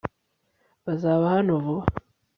bazaba hano vuba